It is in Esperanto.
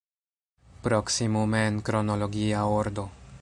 Proksimume en kronologia ordo.